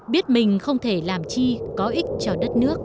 biết mình không thể làm chi có ích cho đất nước